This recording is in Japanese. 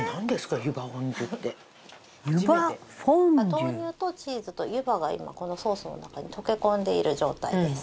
豆乳とチーズと湯葉が今このソースの中に溶け込んでいる状態です。